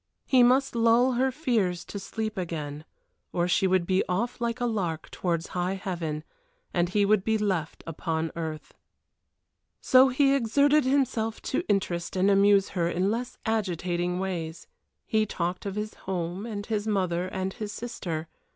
He must lull her fears to sleep again, or she would be off like a lark towards high heaven, and he would be left upon earth. So he exerted himself to interest and amuse her in less agitating ways. He talked of his home and his mother and his sister.